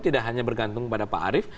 tidak hanya bergantung kepada pak arief